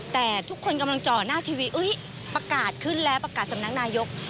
แต่ทุกคนกำลังจ่อหน้าทีวีประกาศขึ้นแล้วประกาศสำนักนายก